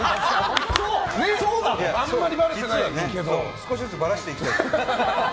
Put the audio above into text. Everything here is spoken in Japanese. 少しずつばらしていきたい。